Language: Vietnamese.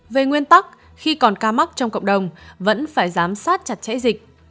về nguyên tắc khi còn ca mắc trong cộng đồng vẫn phải giám sát chặt chẽ dịch